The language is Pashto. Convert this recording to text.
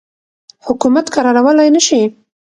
حکومت کرارولای نه شي.